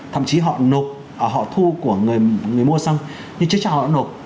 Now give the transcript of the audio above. thậm chí họ thu của người mua xong nhưng chưa cho họ nộp